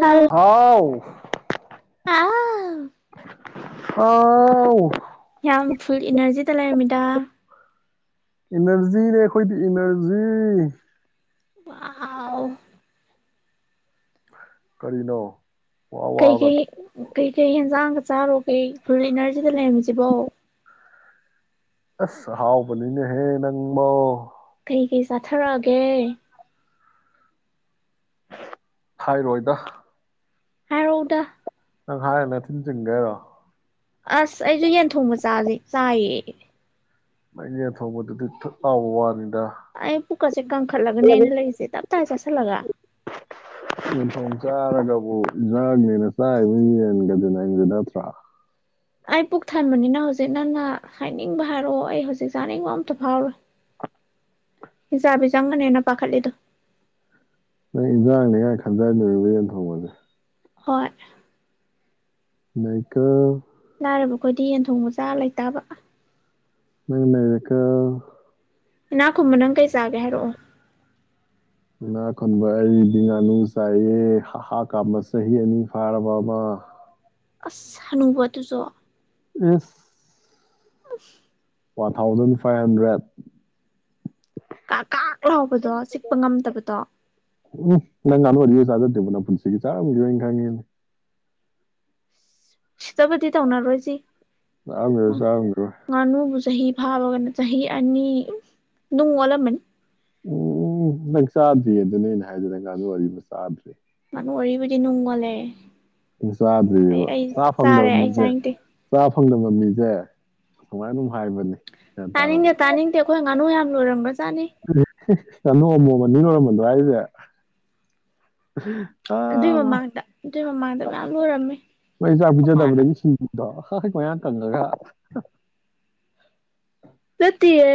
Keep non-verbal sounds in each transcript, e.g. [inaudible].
ꯍꯜ ꯍꯥꯎ ꯍꯥꯥꯎ [inaudible] ꯑꯥꯎ ꯇꯥ ꯏꯅꯔꯖꯤꯅꯦ ꯑꯩꯈꯣꯏꯗꯤ ꯏꯅꯔꯖꯤ ꯋꯥꯎ ꯀꯔꯤꯅꯣ ꯋꯥ ꯀꯩ ꯀꯩ ꯋꯥꯒ ꯀꯩ ꯀꯩ ꯌꯦꯟꯖꯥꯡ ꯆꯥꯔꯣ ꯀꯩ ꯐꯨꯔꯦꯅꯔꯁꯤꯒ ꯂꯩꯔꯝꯃꯤꯖꯤꯕꯣ ꯑꯁ ꯑꯍꯥꯎꯕꯅꯤꯅꯦꯍꯦ ꯅꯪꯕꯣ ꯀꯩ ꯀꯩ ꯆꯥꯊꯔꯛꯑꯒꯦ ꯍꯥꯏꯔꯣꯏꯗ ꯍꯥꯏꯔꯛꯎꯗ ꯅꯪ ꯍꯥꯏꯔꯒ ꯅꯊꯤꯟ ꯆꯨꯝꯒꯦ ꯍꯥꯏꯔꯣ ꯑꯁ ꯑꯩꯁꯨ ꯌꯦꯟ ꯊꯣꯡꯕ ꯆꯥꯁꯦ ꯆꯥꯏꯌꯦ [unintelligible] ꯑꯩ ꯄꯨꯛꯀꯁꯦ ꯀꯪꯈꯠꯂꯒꯅꯦ ꯑꯩ ꯂꯩꯔꯤꯁꯦ ꯇꯞꯇꯥꯥꯏ ꯆꯥꯁꯤꯜꯂꯒ [unintelligible] ꯑꯩ ꯄꯨꯛ ꯊꯟꯕꯅꯤꯅ ꯍꯧꯖꯤꯛ ꯅꯪꯟꯅ ꯍꯥꯏꯅꯤꯡꯕ ꯍꯥꯏꯔꯛꯑꯣ ꯑꯩ ꯍꯧꯖꯤꯛ ꯆꯥꯅꯤꯡꯕ ꯑꯝꯇ ꯐꯥꯎꯔꯣꯏ ꯍꯤꯡꯖꯥꯕꯤꯖꯪ ꯅꯤꯅ ꯄꯥꯈꯠ ꯂꯤꯗꯣ ꯍꯤꯟꯗꯡ ꯅꯦ ꯀꯥꯏ ꯈꯟꯗꯟꯅꯔꯨꯔꯦ ꯌꯦꯟ ꯊꯣꯡꯕꯗꯣ ꯍꯣꯏ ꯅꯩꯀꯣ ꯂꯥꯏꯔꯕ ꯈꯣꯏꯗꯤ ꯌꯦꯟ ꯊꯣꯡꯕ ꯆꯥ ꯂꯩꯇꯕ ꯅꯪ ꯅꯩꯔꯦꯀꯣ ꯏꯟꯅꯥ ꯈꯨꯨꯟꯕ ꯅꯪ ꯀꯩ ꯆꯥꯒꯦ ꯍꯥꯏꯔꯛꯑꯣ ꯏꯟꯅꯥ ꯈꯨꯨꯟꯕ ꯑꯩꯗꯤ ꯉꯥꯅꯨ ꯆꯥꯏꯌꯦ ꯍꯥꯥ ꯍꯥ ꯀꯥꯝꯕ ꯆꯍꯤ ꯑꯅꯤ ꯐꯥꯔꯕ ꯑꯃ ꯑꯁ ꯍꯅꯨꯕ ꯑꯗꯨꯁꯨ ꯑꯁ [unintelligible] ꯋꯥꯟ ꯊꯥꯎꯖꯟ ꯐꯥꯏꯚ ꯍꯟꯗ꯭ꯔꯦꯠ ꯀꯥꯀꯥꯛ ꯎ ꯍꯥꯎꯕꯗꯣ ꯆꯤꯛꯄ ꯉꯝꯗꯕꯗꯣ ꯎꯝ ꯅꯪ ꯉꯥꯅꯨ ꯑꯔꯤꯔꯛ ꯆꯥꯖꯗꯔꯤꯕꯣ ꯅꯪꯕꯣ ꯄꯨꯟꯁꯤꯒꯤ ꯆꯥꯔꯝꯈꯤꯔꯣꯏ ꯈꯪꯉꯦ ꯁꯤꯠꯇꯥꯕꯗꯤ ꯇꯧꯅ ꯔꯣꯏꯁꯤ ꯆꯥꯔꯝꯒꯤꯔꯣꯏ ꯆꯥꯔꯝꯒꯤꯔꯣꯏ ꯆꯍꯤ ꯐꯥꯕꯅ ꯆꯍꯤ ꯑꯅꯤ ꯅꯨꯡ ꯑꯣꯜꯂꯝꯃꯅꯤ ꯎꯝ ꯅꯪ ꯆꯥꯗ꯭ꯔꯤꯌꯦ ꯑꯗꯨꯅꯦ ꯑꯩꯅ ꯍꯥꯏꯗꯣ ꯅꯪ ꯉꯥꯅꯨ ꯑꯔꯤꯕ ꯆꯥꯗ꯭ꯔꯤ ꯑꯣꯏꯕꯨꯗꯤ ꯅꯣꯡ ꯑꯣꯟꯂꯦ ꯆꯥꯗ꯭ꯔꯤꯕ ꯑꯩ ꯆꯥꯐꯪꯗꯕꯅꯤꯁꯦ ꯆꯥꯅꯤꯡꯗꯦ ꯆꯥ ꯐꯪꯗꯕ ꯃꯤꯁꯦ ꯁꯨꯃꯥꯏꯅ ꯑꯗꯨꯝ ꯍꯥꯏꯕꯅꯤ ꯒ꯭ꯌꯥꯟ ꯇꯥꯔꯕ ꯇꯥꯅꯤꯡꯗꯦ ꯇꯥꯅꯤꯡꯗꯦ ꯑꯩꯈꯣꯏ ꯉꯥꯅꯨ ꯌꯥꯝ ꯂꯣꯏꯔꯝꯒ꯭ꯔꯖꯥꯅꯤ [unintelligible] ꯑꯗꯨꯏ ꯃꯃꯥꯡꯗ [unintelligible] ꯑꯗꯨꯏ ꯃꯃꯥꯡꯗ ꯃꯌꯥꯝ ꯂꯣꯏꯔꯝꯃꯦ ꯅꯣꯏ ꯆꯥꯛ ꯑꯩꯈꯣꯏ ꯃꯥꯅ ꯄꯤꯖꯗꯕꯗꯒꯤ ꯁꯤꯈꯤꯕꯗꯣ ꯍ ꯃꯌꯥꯡ ꯀꯪꯉꯒ ꯅꯠꯇꯤꯌꯦ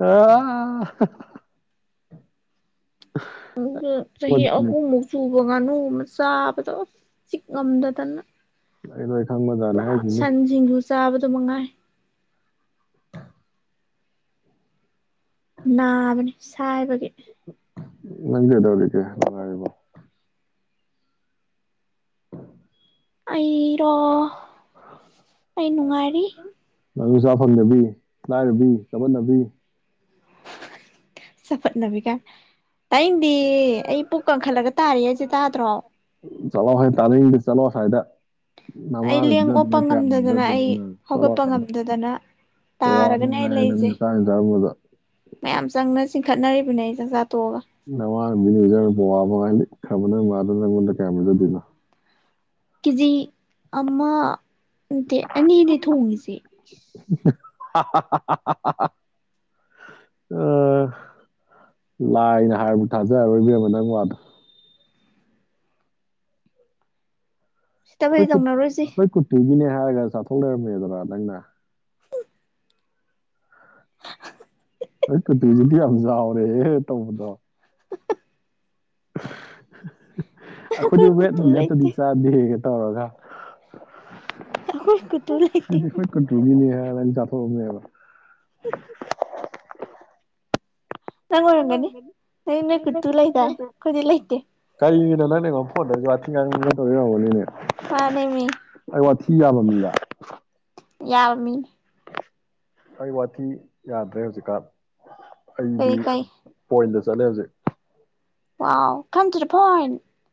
[unintelligible] ꯆꯍꯤ ꯑꯍꯨꯝꯃꯨꯛꯁꯨ ꯉꯥꯅꯨ ꯑꯃ ꯆꯥꯕꯗ ꯆꯤꯛꯉꯝꯗꯗꯅ [unintelligible] ꯄꯨꯔꯥ ꯍꯥꯏꯁꯤꯅꯤ ꯁꯟ ꯁꯤꯡꯖꯨ ꯆꯥꯕꯗꯨ ꯃꯉꯥꯏ ꯅꯥꯕꯅꯦ ꯁꯥꯏꯕꯒꯤ ꯅꯪ ꯀꯗꯧꯔꯤꯒꯦ ꯅꯨꯉꯥꯏꯔꯤꯕꯣ ꯑꯩꯔꯣ ꯑꯩ ꯅꯨꯡꯉꯥꯏꯔꯤ ꯉꯥꯅꯨꯆꯥ ꯐꯪꯗꯕꯤ ꯂꯥꯏꯔꯕꯤ ꯆꯕꯣꯠꯅꯕꯤ ꯆꯕꯠꯅꯕꯤꯒꯥꯏ ꯇꯥꯏꯅꯦꯡꯗꯦ ꯑꯩ ꯄꯨꯛ ꯀꯪꯈꯠꯂꯒ ꯇꯥꯔꯤ ꯍꯥꯏꯖꯦ ꯇꯥꯗ꯭ꯔꯣ ꯆꯂꯣ ꯍꯦ ꯇꯥꯅꯤꯡꯗꯦ ꯆꯂꯣ ꯑꯁꯥꯏꯗ ꯑꯩ ꯂꯦꯡ ꯑꯣꯞꯄ ꯉꯝꯗꯗꯅ ꯑꯩ ꯅꯪ ꯆꯠꯂꯣ ꯍꯧꯒꯠꯄ ꯑꯁ꯭ꯋꯥꯏꯗ ꯉꯝꯗꯗꯅ ꯄꯋꯥ ꯑꯃ ꯇꯥꯔꯒꯅꯦ ꯑꯩ ꯉꯥꯏꯔꯦ ꯅꯪ ꯂꯩꯖꯦ ꯅꯆꯥ ꯆꯥꯔꯝꯕꯗꯣ ꯃꯌꯥꯝ ꯆꯪꯗ ꯆꯤꯡꯈꯠꯅꯔꯤꯕꯅꯦꯖꯥ ꯑꯩ ꯆꯥꯛ ꯆꯥꯆꯥ ꯅꯋꯥꯅ ꯄꯤꯒꯦ ꯄꯤꯖꯕꯗ ꯄꯋꯥ ꯑꯃ ꯉꯥꯏ ꯈꯕ ꯅꯣꯏ ꯃꯥꯗꯣ ꯅꯉꯣꯟꯗ ꯀꯌꯥꯃ ꯄꯤꯖꯗꯣꯏꯅꯣ ꯀꯤꯖꯤ ꯑꯃ ꯇꯦ ꯑꯅꯤꯅꯦ ꯊꯣꯡꯉꯤꯁꯦ ꯍꯥꯍꯥꯍꯥꯍꯥꯍꯥ ꯑ ꯂꯥꯏꯅ ꯍꯥꯏꯔꯕꯨ ꯊꯥꯖꯔꯣꯏ ꯏꯕꯦꯝꯃ ꯅꯪ ꯋꯥꯗꯣ ꯁꯤꯠꯇꯕꯗꯤ ꯈꯣꯏ ꯀꯨꯠ ꯇꯧꯅꯔꯣꯏꯁꯤ ꯈꯣꯏ ꯀꯨꯠꯇꯨꯒꯤꯅꯦ ꯍꯥꯏꯔꯒ ꯆꯥꯊꯣꯛꯂꯩꯔꯝꯃꯦꯗꯣꯔ ꯅꯪꯅ [inaudible] ꯑꯩ ꯀꯨꯠꯇꯤꯖꯤꯗꯤ ꯌꯥꯝ ꯆꯥꯎꯔꯦꯌꯦ ꯇꯧꯕꯗꯣ ꯍꯍꯥ [unintelligible] ꯑꯩꯈꯣꯏ ꯑꯩꯈꯣꯏꯖꯨ ꯀꯨꯇꯨ ꯋꯦꯠꯅ ꯅꯠꯇꯗꯤ ꯂꯩꯇꯦ ꯆꯥꯗꯦ ꯇꯧꯔꯒ ꯑꯈꯣꯏ ꯀꯨꯇꯨ ꯂꯩꯇꯦ ꯇꯒꯤꯅꯤ ꯍꯥꯏꯔ ꯅꯪ ꯆꯥꯊꯣꯛꯑꯝꯃꯦꯕ [inaudible] ꯅꯪ ꯑꯣꯏꯔꯝꯒꯅꯤ ꯅ ꯅꯣꯏ ꯀꯨꯠꯇꯨ ꯂꯩꯗꯥꯏ ꯈꯣꯏꯗꯤ ꯂꯩꯇꯦ ꯅꯣ ꯅꯪ ꯑꯩꯉꯣꯟꯗ ꯐꯣꯟꯗꯒ ꯋꯥꯊꯤ ꯉꯥꯡꯒꯦꯅ ꯇꯧꯔꯤ ꯑꯣꯏꯔꯝꯒꯅꯤꯅꯦ ꯃꯥꯟꯅꯦꯃꯤ ꯑꯩ ꯋꯥꯊꯤ ꯌꯥꯕ ꯃꯤꯔ ꯌꯥꯕ ꯃꯤꯅꯤ ꯑꯩ ꯋꯥꯊꯤ ꯌꯥꯗ꯭ꯔꯦ ꯍꯧꯖꯤꯛꯀꯥꯟ ꯑꯩꯗꯤ ꯀꯔꯤ ꯀꯔꯤ ꯄꯣꯏꯂꯁ ꯆꯠꯂꯦ ꯍꯧꯖꯤꯛ ꯋꯥꯎ ꯀꯝ ꯇꯨ ꯗ ꯄꯣꯏꯟ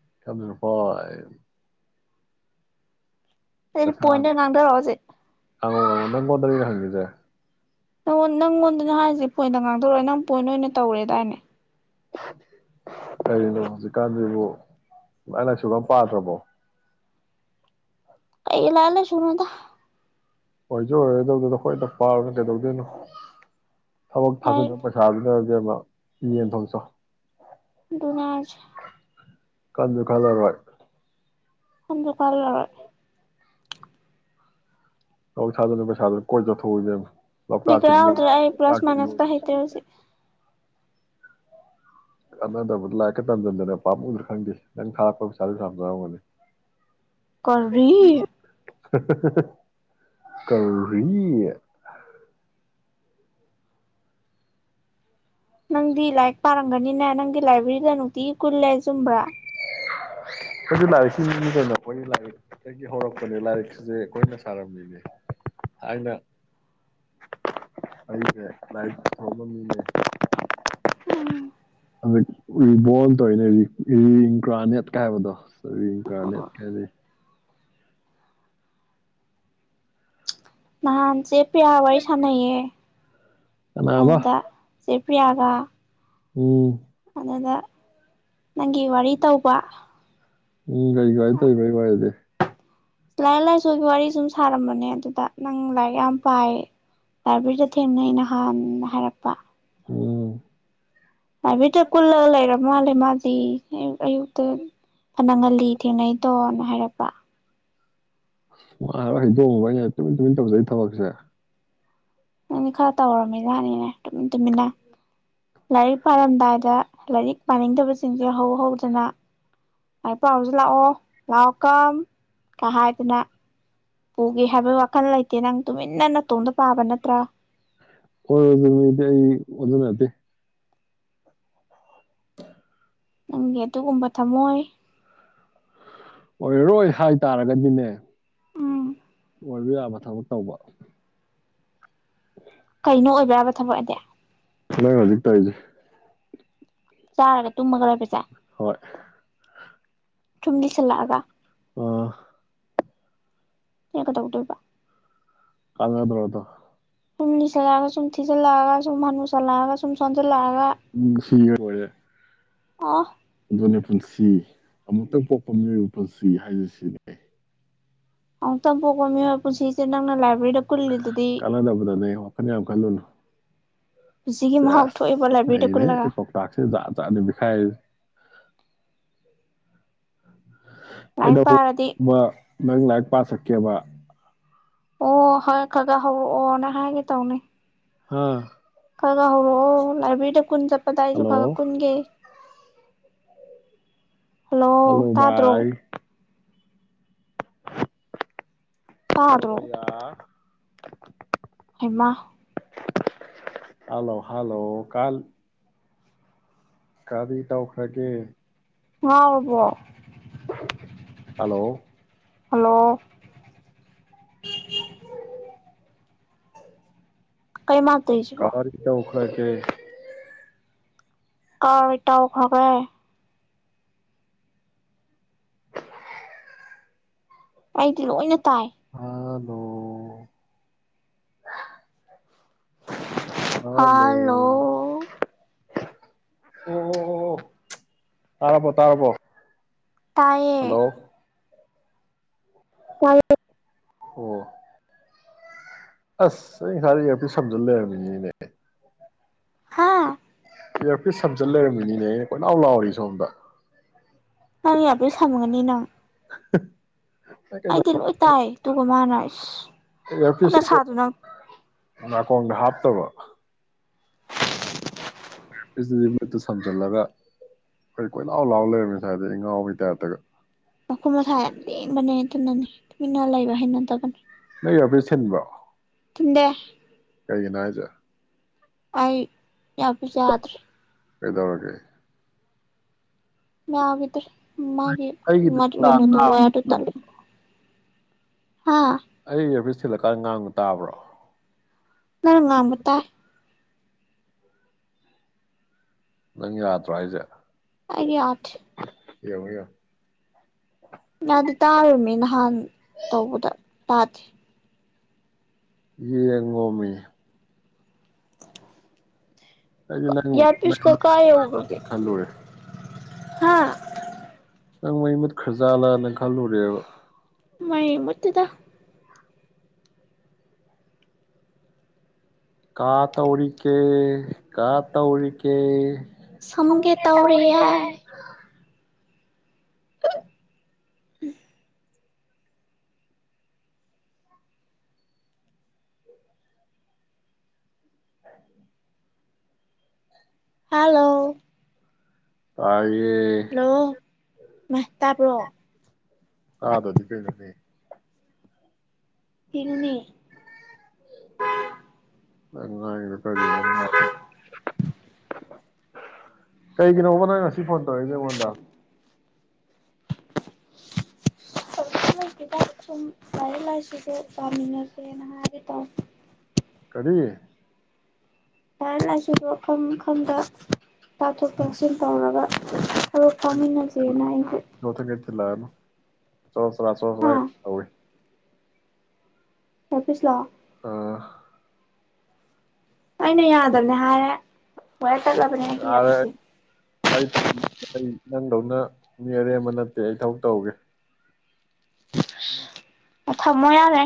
[unintelligible] ꯑꯗꯨꯗꯤ ꯉꯥꯡꯉꯣ ꯄꯣꯏꯟꯗ ꯉꯥꯡꯗꯔꯛꯑꯣ ꯍꯧꯖꯤꯛ ꯅꯪꯉꯣꯟꯗꯅꯤꯅꯦ ꯍꯪꯒꯤꯁꯦ ꯑꯣ ꯅꯪꯉꯣꯟꯗꯅ ꯍꯥꯏꯔꯤꯁꯦ ꯄꯣꯏꯟꯗ ꯉꯥꯡꯊꯣꯔꯛꯑꯣ ꯅꯪ ꯄꯣꯏꯟ ꯑꯣꯏꯅ ꯇꯧꯔꯦꯗꯥꯏꯅꯦ ꯀꯔꯤꯅꯣ ꯍꯧꯖꯤꯛꯀꯥꯟꯁꯤꯕꯨ ꯂꯥꯏ ꯂꯥꯏꯁꯨꯒ ꯑꯝ ꯄꯥꯗ꯭ꯔꯕꯣ ꯀꯩ ꯂꯥꯏ ꯂꯥꯏꯁꯨꯅꯣꯗꯥ ꯑꯣꯏꯁꯨ ꯑꯣꯏꯔꯣꯏꯗꯧꯗꯨꯗ ꯍꯣꯏꯗ ꯄꯥꯔꯨꯅꯣ ꯀꯩꯗꯧꯗꯣꯏꯅꯣ ꯊꯕꯛ ꯂꯥꯏꯔꯤꯛ ꯊꯥꯖꯤꯟꯅꯕ ꯄꯩꯁꯥ ꯗꯨꯅ ꯁꯤ ꯌꯦꯟ ꯊꯣꯡ ꯆꯥꯎ ꯑꯗꯨꯅꯦ ꯍꯥꯏꯁꯦ ꯈꯟꯁꯨ ꯈꯜꯂꯔꯣꯏ ꯈꯟꯁꯨ ꯈꯜꯂꯔꯣꯏ ꯊꯕꯛ ꯊꯥꯖꯤꯟꯅꯕ ꯄꯩꯁꯥꯗꯨꯅ ꯀꯣꯏ ꯆꯠꯊꯣꯛꯑꯣ ꯏꯕꯦꯝꯃ ꯂꯣꯛꯇꯥꯛꯇ ꯏꯔꯣꯏ [inaudible] ꯑꯩ ꯄ꯭ꯂꯁ ꯂꯣꯛꯇꯥꯛꯇ ꯃꯥꯏꯅꯁ ꯄꯨ ꯍꯩꯇꯦ ꯍꯧꯖꯤꯛ ꯀꯅꯗꯕ ꯂꯥꯏꯀ ꯇꯝꯖꯤꯟꯗꯅ ꯄꯥꯝꯃꯨꯗꯔ ꯈꯪꯗꯦ ꯅꯪ ꯊꯥꯛꯄꯗ ꯄꯩꯁꯥꯅꯨꯡꯁꯥ ꯌꯥꯝ ꯆꯩꯉꯝꯒꯅꯤ ꯀꯔꯤ [inaudible] ꯀꯔꯤ ꯅꯪꯗꯤ ꯂꯥꯏꯔꯤꯛ ꯄꯥꯔꯝꯒꯅꯤꯅꯦ ꯅꯪꯗꯤ ꯂꯥꯏꯕ꯭ꯔꯦꯔꯤꯗ ꯅꯨꯡꯇꯤꯒꯤ ꯀꯨꯜꯂꯦꯁꯦ ꯆꯨꯝꯕ꯭ꯔꯥ ꯈꯣꯏꯗꯤ ꯂꯥꯏꯔꯤꯛꯀꯤ ꯃꯤꯅꯤ ꯀꯩꯅꯣ ꯑꯩꯈꯣꯏ ꯂꯥꯏꯔꯤꯛꯇꯒꯤ ꯍꯧꯔꯛꯄꯅꯦ ꯂꯥꯏꯔꯤꯛꯁꯦ ꯑꯩꯈꯣꯏꯅ ꯁꯥꯔꯝꯃꯤꯅꯦ ꯊꯥꯏꯅ ꯑꯩꯁꯦ ꯂꯥꯏꯔꯤꯛ [inaudible] ꯎꯝ ꯔꯤ ꯔꯤꯕꯣꯜ ꯇꯧꯔꯤꯅꯦ ꯔꯤꯟꯒ꯭ꯔꯥꯅꯦꯠ ꯀꯥꯏ ꯍꯥꯏꯕꯗꯣ ꯁꯤ ꯒꯔ꯭ꯥꯅꯦꯠ ꯀꯥꯏꯁꯦ ꯅꯍꯥꯟ ꯆꯦ ꯄꯔꯤꯌꯥ ꯋꯥꯔꯤ ꯁꯅꯩꯌꯦ ꯀꯅꯥꯕ ꯑꯗꯨꯗ ꯆꯦ ꯄꯔꯤꯌꯥꯒ ꯎꯝ ꯑꯗ ꯅꯪꯒꯤ ꯋꯥꯔꯤ ꯇꯧꯕ ꯎꯝ ꯀꯩ ꯀꯥꯏ ꯇꯧꯔꯤꯕ ꯑꯩ ꯋꯥꯔꯤꯗꯤ ꯂꯥꯏꯔꯤꯛ ꯂꯥꯏꯁꯨꯒꯤ ꯋꯥꯔꯤ ꯁꯨꯝ ꯁꯥꯔꯝꯕꯅꯦ ꯑꯗꯨꯗ ꯅꯪ ꯂꯥꯏꯔꯤꯛ ꯌꯥꯝ ꯄꯥꯏ ꯂꯥꯏꯕ꯭ꯔꯦꯔꯤꯗ ꯊꯦꯡꯅꯩ ꯅꯍꯥꯟ ꯍꯥꯏꯔꯛꯄ ꯎꯝ [inaudible] ꯃꯥꯆꯤ ꯑꯌꯨꯛ ꯑꯌꯨꯛꯇ ꯐꯅꯉꯜꯂꯤ ꯊꯦꯡꯅꯩꯗꯣꯅ ꯍꯥꯏꯔꯛꯄ ꯃꯥꯔꯣꯏ ꯍꯩꯗꯣꯡꯑꯕ ꯑꯩꯩꯅ ꯇꯨꯃꯤꯟ ꯇꯨꯃꯤꯟ ꯇꯧꯖꯩ ꯊꯕꯛꯁꯦ ꯅꯪꯗꯤ ꯈꯔ ꯇꯧꯔꯝꯃꯤꯖꯠꯅꯤꯅꯦ ꯇꯨꯃꯤꯟ ꯇꯨꯃꯤꯟꯅ ꯂꯥꯏꯔꯤꯛ ꯄꯥꯔꯝꯗꯥꯏꯗ ꯂꯥꯏꯔꯤꯛ ꯄꯥꯅꯤꯡꯗꯕꯁꯤꯡꯁꯦ ꯍꯧ ꯍꯧꯗꯅ ꯂꯥꯏꯔꯤꯛ ꯄꯥꯔꯨꯁꯤ ꯂꯥꯛꯑꯣ ꯂꯥꯎ ꯀꯝ ꯀ ꯍꯥꯏꯗꯅ ꯄꯨꯒꯦ ꯍꯥꯏꯕ ꯋꯥꯈꯜ ꯂꯩꯇꯦ ꯅꯪ ꯇꯨꯃꯤꯟꯅ ꯅꯇꯣꯝꯗ ꯄꯥꯕ ꯅꯠꯇ꯭ꯔꯥ [unintelligible] ꯅꯪꯒꯤ ꯑꯗꯨꯒꯨꯝꯕ ꯊꯝꯃꯣꯏ ꯑꯣꯏꯔꯔꯣꯏ ꯍꯥꯏꯇꯥꯔꯒꯗꯤꯅꯦ ꯎꯝ ꯑꯣꯏꯕ ꯌꯥꯕ ꯊꯕꯛ ꯇꯧꯕ ꯀꯩꯅꯣ ꯑꯣꯏꯕ ꯌꯥꯕ ꯊꯕꯛ ꯑꯗꯤ ꯅꯪ ꯍꯧꯖꯤꯛ ꯇꯧꯔꯤꯁꯦ ꯆꯥꯔꯒ ꯇꯨꯝꯃꯒ ꯍꯣꯏ ꯆꯨꯝ ꯂꯤꯁꯜꯂꯛꯑꯒ ꯑ ꯑꯦ ꯀꯦꯗꯧꯗꯣꯢꯕ ꯀꯥꯟꯅꯕ꯭ꯔꯣ ꯗꯣ ꯁꯨꯝ ꯂꯤꯁꯜꯂꯛꯑꯒ ꯁꯨꯝ ꯊꯤꯖꯜꯂꯛꯑꯒ ꯁꯨꯝ ꯍꯅꯨꯁꯜꯂꯛꯑꯒ ꯎꯝ ꯁꯤꯒ꯭ꯔ ꯂꯣꯏꯔꯦ ꯑꯥ ꯑꯗꯨꯅꯦ ꯄꯨꯟꯁꯤ ꯑꯃꯨꯛꯇꯪ ꯄꯣꯛꯄ ꯃꯤꯑꯣꯏꯕ ꯄꯨꯟꯁꯤ ꯍꯥꯏꯔꯤꯁꯤꯅꯦ ꯑꯃꯨꯛꯇꯪ ꯄꯣꯛꯄ ꯃꯤꯑꯣꯏꯕ ꯄꯨꯁꯤꯁꯦ ꯅꯪꯅ ꯂꯥꯏꯕ꯭ꯔꯦꯔꯤꯗ ꯀꯨꯜꯂꯤꯗꯨꯗꯤ ꯀꯥꯟꯅꯗꯕꯗ ꯅꯦ ꯋꯥꯈꯟ ꯌꯥꯝ ꯈꯜꯂꯨꯅꯨ ꯄꯨꯟꯁꯤꯒꯤ ꯃꯍꯥꯎ ꯊꯣꯛꯑꯦꯕ ꯁꯦꯁ ꯂꯥꯏꯕ꯭ꯔꯦꯔꯤꯗ ꯅꯩꯔꯦꯍꯦ ꯀꯨꯜꯂꯒ ꯄꯥꯎꯇꯥꯛꯁꯦ ꯖꯥꯠ ꯖꯥꯠꯅꯤ ꯂꯤꯈꯥꯏꯔꯤꯖ ꯂꯥꯏꯔꯤꯛ ꯀꯩꯅꯣꯕꯨ ꯄꯥꯔꯗꯤ ꯃꯥ ꯅꯪ ꯂꯥꯏꯔꯤꯛ ꯄꯥꯁ ꯀꯦꯕ ꯑꯣ ꯍꯣꯏ ꯈꯒꯥ ꯍꯧꯔꯛ ꯑꯣꯅ ꯍꯥꯏꯒꯦ ꯇꯧꯅꯤ ꯍꯥꯥ ꯈꯔ ꯍꯧꯔꯛꯑꯣ ꯂꯥꯏꯕ꯭ꯔꯦꯔꯤꯗ ꯀꯨꯟ ꯆꯠ ꯀꯗꯥꯏꯗ ꯍꯜꯂꯣ ꯖꯨꯒꯥ ꯀꯨꯟꯒꯦ ꯍꯜꯂꯣ ꯇꯥꯗ꯭ꯔꯣ ꯇꯥꯗ꯭ꯔꯣ ꯍꯜꯂꯣꯚꯩꯌꯥ ꯍꯩꯃꯥ ꯍꯜꯂꯣ ꯍꯜꯂꯣ ꯀꯜ ꯀꯗꯤ ꯇꯧꯈ꯭ꯔꯒꯦ ꯍꯥꯎꯔꯕꯣ ꯍꯜꯂꯣ ꯍꯜꯂꯣ ꯀꯩꯃꯥ ꯇꯧꯏꯁꯤꯕꯣ ꯑꯥ ꯗꯩ ꯑꯔꯣꯢ ꯇꯥꯎ ꯐꯒ꯭ꯔꯦ ꯑꯩꯗꯤ ꯂꯧꯏꯅ ꯇꯥꯏ ꯇꯣ ꯍꯜꯂꯣ ꯍꯂꯣ ꯑꯣ ꯑꯣ ꯑꯣ ꯑꯣ ꯇꯥꯔꯕꯣ ꯇꯥꯔꯕꯣ ꯇꯥꯏꯌꯦ ꯍꯜꯂꯣ ꯇꯥꯏꯌꯦ ꯑꯣ ꯑꯁ ꯑꯩ ꯉꯁꯥꯏꯗꯩ ꯑꯦꯔꯄꯤꯁ ꯁꯝꯖꯜ ꯂꯩꯔꯝꯃꯤꯅꯤꯅꯦ ꯍꯥꯥ ꯏꯌꯥꯔꯄꯤꯁ ꯁꯝꯖꯤꯜ ꯂꯩꯔꯝꯃꯤꯅꯤꯅꯦ ꯑꯩꯅ ꯀꯣꯏꯂꯥꯎ ꯂꯥꯎꯔꯤ ꯁꯣꯝꯗ ꯅꯪ ꯏꯌꯥꯔꯄꯤꯁ ꯁꯝꯒꯅꯤ ꯅꯪ ꯍ ꯑꯩꯗꯤ ꯂꯣꯏ ꯇꯥꯏꯌꯦ ꯇꯨ [unintelligible] ꯏꯌꯥꯔꯄꯤꯁ ꯅꯥꯀꯣꯡꯗ ꯍꯥꯞꯇꯕ꯭ꯔꯣ ꯏꯌꯔꯄꯤꯁ ꯁꯝꯖꯜꯂꯒ ꯑꯩ ꯀꯣꯏꯂꯥꯎ ꯂꯥꯎ ꯂꯩꯔꯝꯃꯦ ꯉꯁꯥꯏꯗꯩꯩ ꯉꯥꯎꯕꯩ ꯇꯥꯏꯄꯇꯒ ꯃꯈꯨꯠ ꯃꯁꯥ ꯌꯥꯝ ꯂꯦꯡꯕꯅꯦ ꯑꯗꯨꯅꯅꯦ ꯇꯨꯃꯤꯟꯅ ꯂꯩꯕ ꯍꯩꯅꯗꯕꯅꯦ ꯅꯪ ꯏꯌꯥꯔꯄꯤꯁ ꯊꯤꯟꯕ꯭ꯔꯣ ꯊꯤꯟꯗꯦ ꯀꯔꯤꯒꯤꯅꯣ ꯍꯥꯏꯁꯦ ꯑꯩ ꯏꯌꯥꯔꯄꯤꯁ ꯌꯥꯗ꯭ꯔꯦ ꯀꯩꯗꯧꯔꯒꯦ ꯌꯥꯒꯤꯗ꯭ꯔꯦ ꯃꯥꯒꯤ ꯑꯩꯒꯤꯗꯤ ꯃꯅꯥꯗ ꯌꯥꯌꯔꯗꯣ ꯇꯠꯂꯦ ꯍꯥ ꯑꯩꯒꯤ ꯏꯌꯥꯔꯄꯤꯁ ꯁꯤꯜꯂꯀꯥꯟꯗ ꯉꯥꯡꯕ ꯇꯥꯕ꯭ꯔꯣ ꯅꯪ ꯉꯥꯡꯕ ꯇꯥꯏ ꯅꯪ ꯌꯥꯗ꯭ꯔꯣ ꯍꯥꯏꯁꯦ ꯑꯩꯒꯤ ꯌꯥꯗꯦ ꯌꯦꯡꯉꯣ ꯌꯦꯡꯉꯣ ꯌꯥꯗꯤ ꯇꯥꯗꯦ ꯌꯦꯡꯉꯣꯃꯤ [inaudible] ꯑꯩꯁꯨ ꯏꯌꯥꯔꯄꯤꯁꯀ ꯀꯥꯏ ꯌꯧꯒ꯭ꯔꯒꯦ [inaudible] ꯈꯜꯂꯨꯔꯦ ꯍꯥ ꯅꯪ ꯃꯩ ꯃꯨꯠ ꯈꯔꯖꯥꯠꯂꯥꯅ ꯈꯜꯂꯨꯔꯦꯕ ꯃꯩ ꯃꯨꯠꯇꯦꯗ ꯀꯥ ꯇꯧꯔꯤꯒꯦ ꯀꯥ ꯇꯧꯔꯤꯒꯦ ꯐꯝꯒꯦ ꯇꯧꯔꯤꯌꯦ [unintelligible] ꯍꯜꯂꯣ ꯇꯥꯏ ꯌꯦ ꯃꯏ ꯇꯥꯕ꯭ꯔꯣ ꯇꯥꯗ꯭ꯔꯗꯤ ꯀꯩꯅꯣꯅꯦ ꯏꯪꯅꯤ [inaudible] ꯅ [inaudible] ꯀꯩꯒꯤꯅꯣꯕ ꯅꯪ ꯉꯁꯤ ꯐꯣꯟ ꯇꯧꯔꯛꯏꯁꯦ ꯑꯩꯉꯣꯟꯗ ꯀꯩꯁꯨ ꯂꯩꯇꯦꯗ ꯁꯨꯝ ꯂꯔꯤꯛ ꯂꯥꯏꯁꯨꯁꯦ ꯄꯃꯤꯟꯅꯁꯦꯅ ꯍꯥꯏꯒꯦ ꯇꯧꯅꯦ ꯀꯔꯤ ꯂꯥꯏꯔꯤꯛ ꯂꯥꯏꯁꯨꯗꯣ ꯑꯈꯪ ꯈꯪꯗ ꯇꯊꯣꯛ ꯇꯁꯤꯟ ꯇꯧꯔꯒ ꯊꯂꯞ ꯐꯥꯃꯤꯟꯅꯁꯦꯅ ꯑꯩꯁꯦ [inaudible] ꯃꯊꯪꯗ ꯊꯤꯜꯂꯛꯑꯅꯨ ꯆꯣꯔꯣ ꯆꯔꯥ ꯆꯣꯔꯣ ꯆꯔꯥ ꯍꯥ ꯌꯝ ꯇꯧꯔꯦ ꯏꯌꯔꯄꯤꯁꯂꯣ ꯑ ꯑꯩꯅ ꯌꯥꯗꯕꯅꯦ ꯍꯥꯏꯔꯦ ꯋꯥꯌꯔ ꯇꯠꯂꯕꯅꯦ ꯑꯩꯒꯤ ꯌꯥꯔꯦ ꯏꯌꯥꯔꯄꯤꯁꯁꯦ ꯑꯩ ꯑꯩ ꯅꯪꯗꯧꯅ ꯃꯤ ꯑꯔꯦꯝꯕ ꯅꯠꯇꯦ ꯑꯩ ꯊꯕꯛ ꯇꯧꯒꯦ ꯊꯝꯃꯣ ꯌꯔꯦ